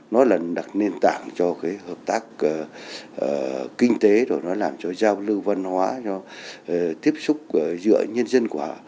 nó là nền tảng cho hợp tác kinh tế làm cho giao lưu văn hóa tiếp xúc giữa nhân dân của